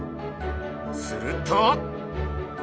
すると！